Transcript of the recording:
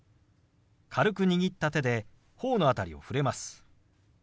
軽く握った手で頬の辺りを触れます。